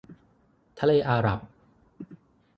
ทะเลอาหรับ